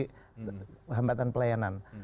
jadi hambatan pelayanan